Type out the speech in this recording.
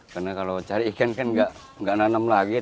karena kalau cari ikan kan nggak nanam lagi